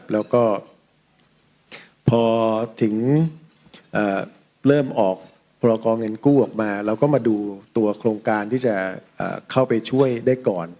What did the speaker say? แล้วเราก็มาดูตัวโครงการที่จะเข้าไปช่วยได้ก่อน